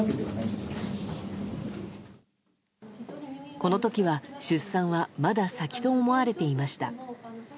この時は出産はまだ先と思われていました。